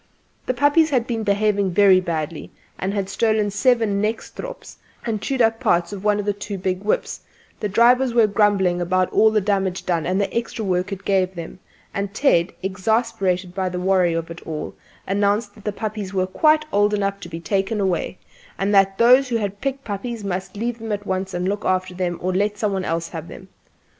The puppies had been behaving very badly, and had stolen several nekstrops and chewed up parts of one or two big whips; the drivers were grumbling about all the damage done and the extra work it gave them; and Ted, exasperated by the worry of it all, announced that the puppies were quite old enough to be taken away, and that those who had picked puppies must take them at once and look after them, or let some one else have them.